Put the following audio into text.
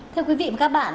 thưa quý vị và các bạn